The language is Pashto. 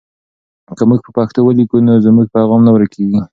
که موږ په پښتو ولیکو نو زموږ پیغام نه ورکېږي.